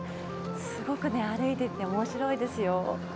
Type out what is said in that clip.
すごく歩いてておもしろいですよ。